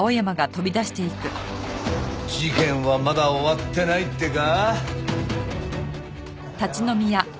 事件はまだ終わってないってか？